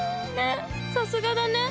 さすがだね！